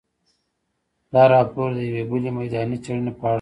دا راپور د یوې بلې میداني څېړنې په اړه دی.